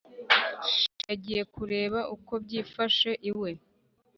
yagiye kureba uko byifashe iwe